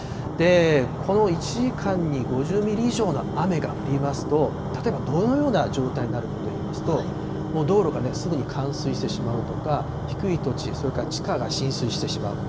この１時間に５０ミリ以上の雨が降りますと、例えばどのような状態になるかといいますと、もう道路がすぐに冠水してしまうとか、低い土地、それから地下が浸水してしまう。